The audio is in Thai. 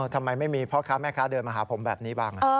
ทำไมไม่มีพ่อค้าแม่ค้าเดินมาหาผมแบบนี้บ้าง